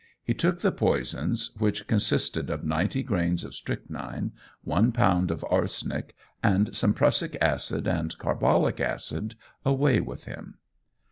He took the poisons, which consisted of ninety grains of strychnine, one pound of arsenic, and some prussic acid and carbolic acid, away with him.